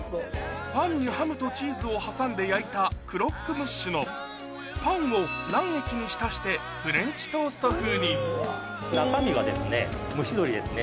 パンにハムとチーズを挟んで焼いたクロックムッシュのパンを卵液に浸してフレンチトースト風に中身は蒸し鶏ですね。